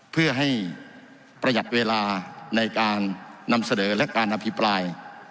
เพื่อให้ประหยัดเวลาในการนำเสนอและการอภิปราย